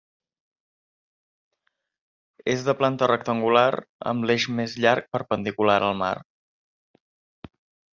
És de planta rectangular amb l'eix més llarg perpendicular al mar.